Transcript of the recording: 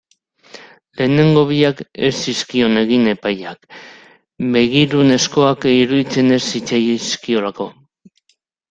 Lehenengo biak ez zizkion egin epaileak, begirunezkoak iruditzen ez zitzaizkiolako.